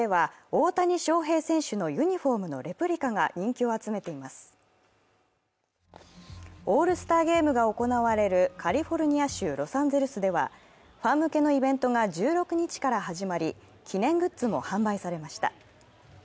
オールスターゲームが行われるカリフォルニア州ロサンゼルスでは、ファン向けのイベントが１６日から始まり記念グッズも販売されました。